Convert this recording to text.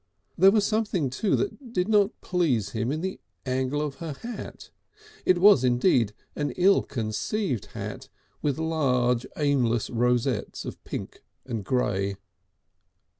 There was something too that did not please him in the angle of her hat, it was indeed an ill conceived hat with large aimless rosettes of pink and grey.